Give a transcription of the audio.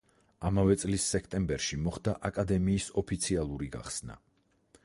ამავე წლის სექტემბერში მოხდა აკადემიის ოფიციალური გახსნა.